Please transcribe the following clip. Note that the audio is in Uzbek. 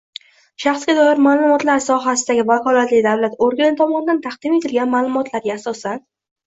shaxsga doir ma’lumotlar sohasidagi vakolatli davlat organi tomonidan taqdim etilgan ma’lumotlarga asosan: